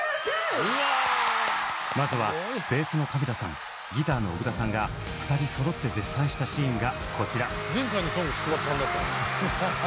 まずはベースの亀田さんギターの小倉さんが２人そろって絶賛したシーンがこちら。